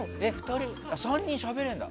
３人しゃべれるんだ。